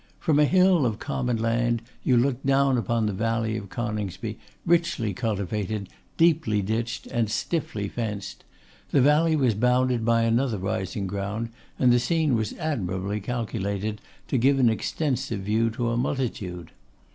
From a hill of common land you looked down upon the valley of Coningsby, richly cultivated, deeply ditched, and stiffly fenced; the valley was bounded by another rising ground, and the scene was admirably calculated to give an extensive view to a multitude.